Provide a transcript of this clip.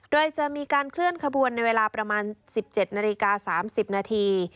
โดยจะมีการเคลื่อนขบวนในเวลาประมาณ๑๗นาฬิกา๓๐นาที